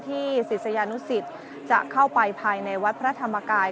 เมื่อเวลาอันดับสุดท้ายเมื่อเวลาอันดับสุดท้าย